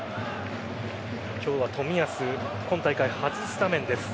今日は冨安今大会初スタメンです。